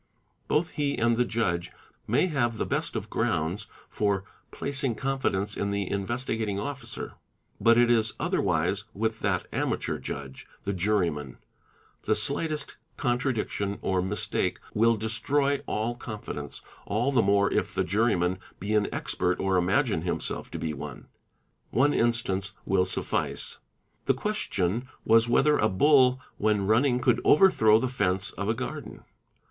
"Both he and the judge may have the best of grounds for placing confidence in the Investigating Officer. | But it is otherwise with that amateur judge,—the juryman,—the slight est contradiction or mistake will destroy all confidence, all the more if the i juryman be an expert or imagine himself to be one. One instance will — suffice. The question was whether a bull when running could overthro the fence of a garden.